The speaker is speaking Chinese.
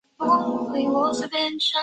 以境内元代集宁路古城得名。